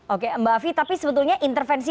oke mbak afi tapi sebetulnya intervensi